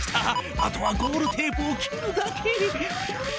あとはゴールテープを切るだけ。